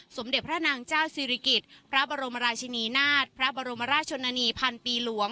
สมเด็จพระนางเจ้าศิริกิจพระบรมราชินีนาฏพระบรมราชชนนานีพันปีหลวง